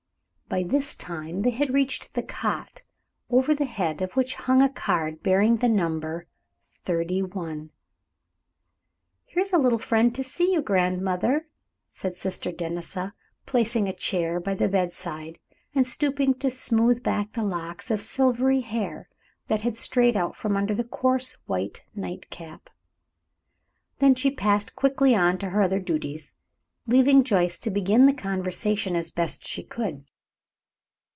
By this time they had reached the cot, over the head of which hung a card, bearing the number "Thirty one." "Here is a little friend to see you, grandmother," said Sister Denisa, placing a chair by the bedside, and stooping to smooth back the locks of silvery hair that had strayed out from under the coarse white night cap. Then she passed quickly on to her other duties, leaving Joyce to begin the conversation as best she could.